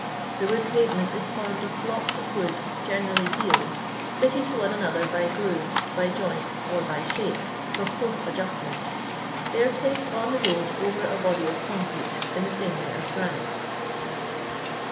The wood pavement is formed of blocks of wood, generally deal, fitted to one another by grooves, by joints, or by shape, for close adjustment They are pUiced on the road over a body of concrete, in the same way as granite.